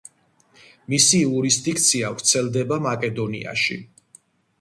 მისი იურისდიქცია ვრცელდება მაკედონიაში.